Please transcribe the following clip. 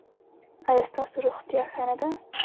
ایا ستاسو روغتیا ښه نه ده؟